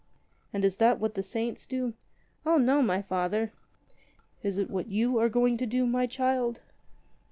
"And is that what the saints do?" "O no, my Father." "Is it what you are going to do, my child